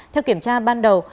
theo kiểm tra ban đầu